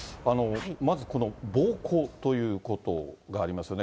まず、この暴行ということがありますよね。